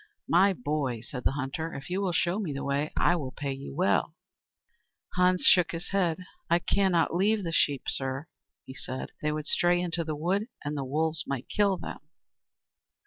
"My boy," said the hunter, "if you will show me the way, I will pay you well." Hans shook his head. "I cannot leave the sheep, sir," he said. "They would stray into the wood, and the wolves might kill them."